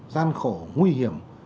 gian khổ nguy hiểm